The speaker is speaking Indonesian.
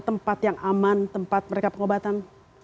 tempat yang aman tempat mereka pengobatan